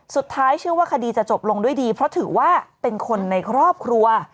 เชื่อว่าคดีจะจบลงด้วยดีเพราะถือว่าเป็นคนในครอบครัว